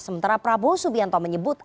sementara prabowo subianto menyebut